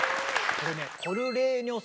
これね